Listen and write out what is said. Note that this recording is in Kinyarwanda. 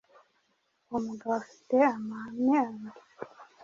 Uwo mugabo afite amahame abiri